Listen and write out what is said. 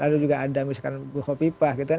lalu juga ada misalkan buho pipah gitu kan